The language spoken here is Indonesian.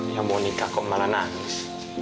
ya monika kok malah nangis